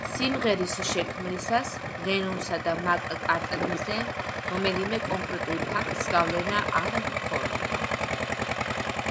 სიმღერის შექმნისას ლენონსა და მაკ-კარტნიზე რომელიმე კონკრეტულ ფაქტს გავლენა არ ჰქონია.